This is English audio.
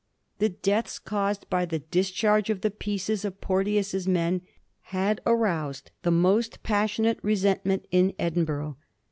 The deaths caused by the discharge of the pieces of Porteous's men had aroused the most passionate resentment in Edin burgh.